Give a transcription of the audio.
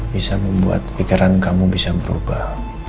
bisa membuat pikiran kamu bisa berubah